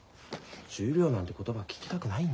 十両なんて言葉聞きたくないんだよ。